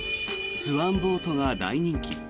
スワンボートが大人気。